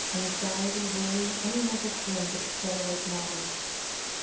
Anxiety, worry, any mental strain would accelerate matters."